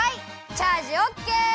チャージオッケー！